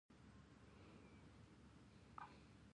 افغانستان له لعل ډک دی.